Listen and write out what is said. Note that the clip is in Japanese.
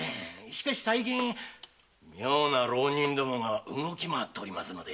しかし最近妙な浪人どもが動き回っておりますので。